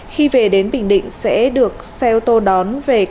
khi về đến bình định sẽ được xe ô tô đón về các khu